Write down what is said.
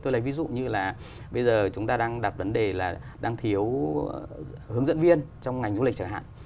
tôi lấy ví dụ như là bây giờ chúng ta đang đặt vấn đề là đang thiếu hướng dẫn viên trong ngành du lịch chẳng hạn